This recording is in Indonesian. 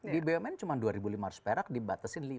di bumn cuma dua lima ratus perak dibatasi